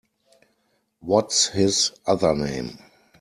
What’s his other name?